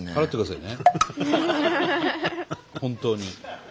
本当に。